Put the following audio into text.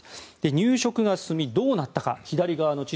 入植が進み、どうなったか。